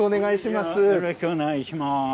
よろしくお願いします。